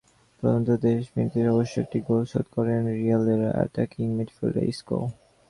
প্রথমার্ধের শেষ মিনিটেই অবশ্য একটি গোল শোধ করেন রিয়ালের অ্যাটাকিং মিডফিল্ডার ইসকো।